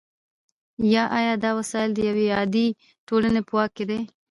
یا آیا دا وسایل د یوې عادلې ټولنې په واک کې دي؟